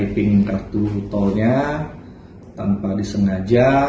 mapping kartu tolnya tanpa disengaja